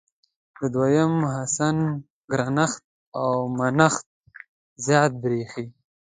د دویم حسن ګرانښت او منښت زیات برېښي.